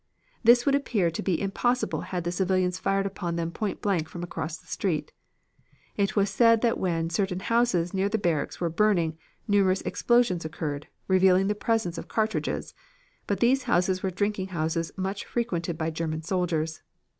This would appear to be impossible had the civilians fired upon them point blank from across the street. It was said that when certain houses near the barracks were burning, numerous explosions occurred, revealing the presence of cartridges; but these houses were drinking houses much frequented by German soldiers.